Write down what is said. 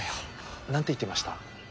何て言ってました？